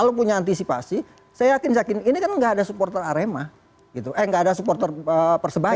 kalau punya antisipasi saya yakin yakin ini kan enggak ada supporter arema gitu eh nggak ada supporter persebaya